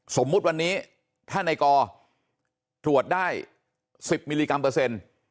สมมุติวันนี้ถ้าในกอตรวจได้๑๐มิลลิกรัมเปอร์เซ็นต์